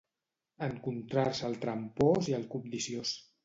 Encontrar-se el trampós i el cobdiciós.